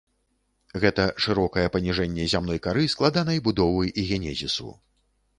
Гэта шырокае паніжэнне зямной кары складанай будовы і генезісу.